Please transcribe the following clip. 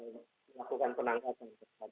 melakukan penangkapan terhadap